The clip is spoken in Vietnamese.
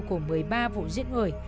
của một mươi ba vụ giết người